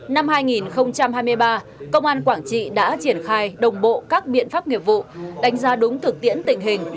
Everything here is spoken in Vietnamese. năm hai nghìn hai mươi ba công an quảng trị đã triển khai đồng bộ các biện pháp nghiệp vụ đánh giá đúng thực tiễn tình hình